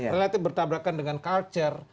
relatif bertabrakan dengan culture